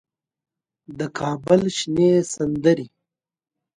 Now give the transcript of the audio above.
د کابل شنې سندرې